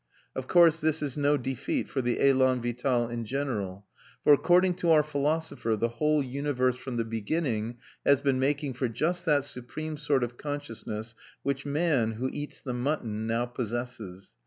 Of course, this is no defeat for the élan vital in general; for according to our philosopher the whole universe from the beginning has been making for just that supreme sort of consciousness which man, who eats the mutton, now possesses.